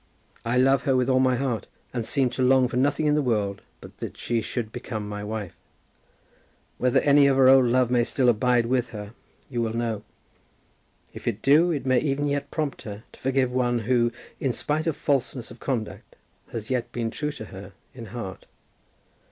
I love her with all my heart, and seem to long for nothing in the world but that she should become my wife. Whether any of her old love may still abide with her, you will know. If it do, it may even yet prompt her to forgive one who, in spite of falseness of conduct, has yet been true to her in heart.